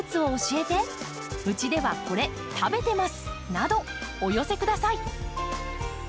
などお寄せください。